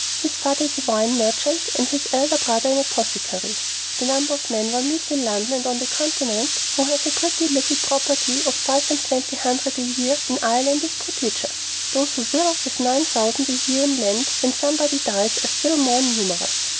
His father is a wine merchant; and his elder brother an apothecary. The number of men one meets in London and on the Continent who have a pretty little property of five and twenty hundred a year in Ireland is prodigious: those who WILL have nine thousand a year in land when somebody dies are still more numerous.